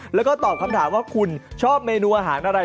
แล้วก็ตอบคำถามว่าคุณชอบเมนูอาหารอะไร